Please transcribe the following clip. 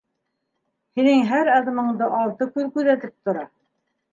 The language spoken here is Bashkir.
Ьинең һәр аҙымыңды алты күҙ күҙәтеп тора.